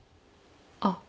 あっ。